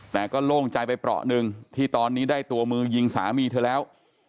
แต่ก็โล่งใจไปเปราะหนึ่งที่ตอนนี้ได้ตัวมือยิงสามีเธอแล้ว